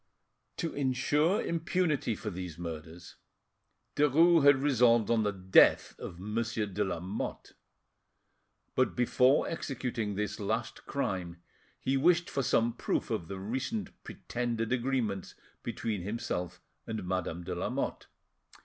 To insure impunity for these murders, Derues had resolved on the death of Monsieur de Lamotte; but before executing this last crime, he wished for some proof of the recent pretended agreements between himself and Madame de Lamotte.